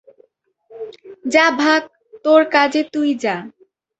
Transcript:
যা ভাগ, তোর কাজে তুই যা।